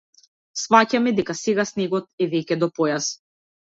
Сфаќаме дека сега снегот е веќе до појас.